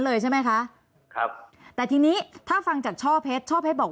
เลยใช่ไหมคะครับแต่ทีนี้ถ้าฟังจากช่อเพชรช่อเพชรบอก